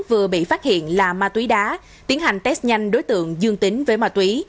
vừa bị phát hiện là ma túy đá tiến hành test nhanh đối tượng dương tính với ma túy